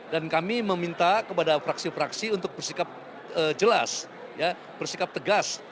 dan kami meminta kepada fraksi fraksi untuk bersikap jelas bersikap tegas